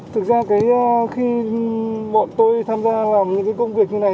thực ra khi bọn tôi tham gia làm những cái công việc như này